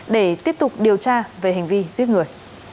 để tiếp tục điều tra về hành vi giết người